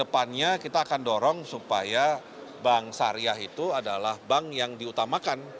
kedepannya kita akan dorong supaya bank syariah itu adalah bank yang diutamakan